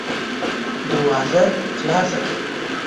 دروازه خلاصه کړه!